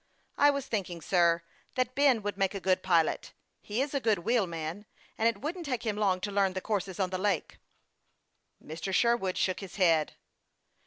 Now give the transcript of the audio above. " I was thinking, sir, that Ben would make a good pilot. He is a good wheel man, and it wouldn't take him long to learn the courses on the lake." Mr. Sherwood shook his head.